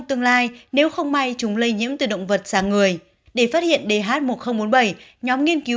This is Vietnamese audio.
tương lai nếu không may chúng lây nhiễm từ động vật sang người để phát hiện dh một nghìn bốn mươi bảy nhóm nghiên cứu